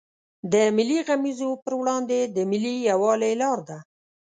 د ملي غمیزو پر وړاندې د ملي یوالي لار ده.